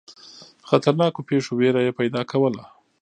خطرناکو پیښو وېره یې پیدا کوله.